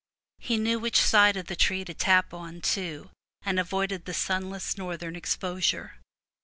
He knew which side of the tree to tap, too, and avoided the sunless northern exposure.